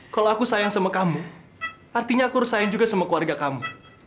kalau aku sayang sama kamu artinya aku harus sayang juga sama keluarga kamu